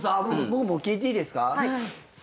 僕も聞いていいですか？